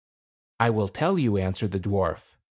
"I will tell you," answered the dwarf.